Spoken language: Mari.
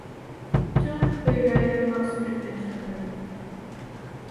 Чылт тый гаетымак сӱретлен шындыме.